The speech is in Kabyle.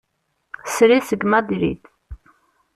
Srid seg Madrid.